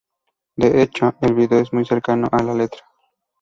De hecho, el vídeo es muy cercano a la letra.